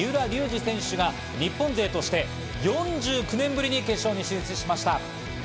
１９歳の三浦龍司選手が日本勢として４９年ぶりに決勝に進出しました。